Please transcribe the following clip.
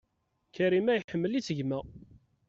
Karima iḥemmel-itt gma.